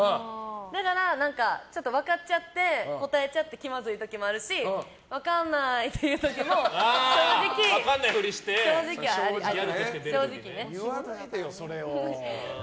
だから、ちょっと分かっちゃって答えちゃって気まずい時もあるし分かんないって言う時も言わないでよ、それを。